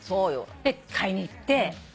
で買いに行って。